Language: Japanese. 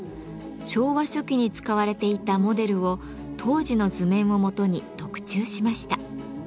昭和初期に使われていたモデルを当時の図面をもとに特注しました。